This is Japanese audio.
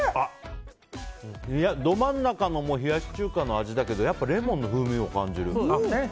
ど真ん中の冷やし中華の味だけどやっぱりレモンの風味も感じる。